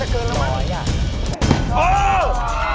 เกินแล้ว